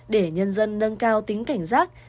để nhân dân nâng cao tính cảnh giác